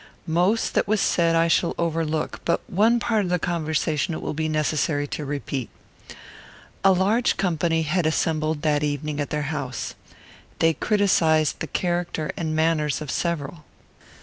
Most that was said I shall overlook; but one part of the conversation it will be necessary to repeat. A large company had assembled that evening at their house. They criticized the character and manners of several.